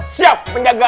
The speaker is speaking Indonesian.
siap menjaga air